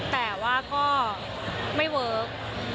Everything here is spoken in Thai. แต่ว่าก็ไม่เวิร์ค